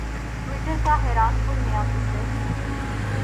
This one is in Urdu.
ٹویٹر کا حیران کن نیا فیچر